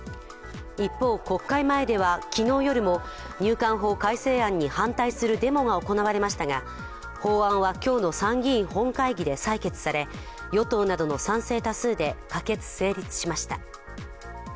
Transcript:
一方、国会前では昨日夜も入管法改正案に反対するデモが行われましたがほう亜ｈな今日の参議院本会議で採決され与党などの賛成多数で可決・成立しました。